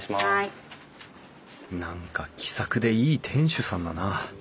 何か気さくでいい店主さんだな。